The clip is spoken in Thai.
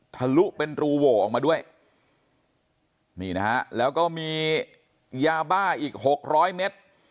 ทะลุเป็นรูโหวออกมาด้วยนี่นะฮะแล้วก็มียาบ้าอีกหกร้อยเมตร